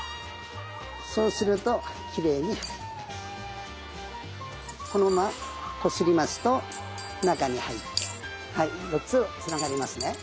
そうするときれいに入ってこのままこすりますと中に入って４つつながりますね。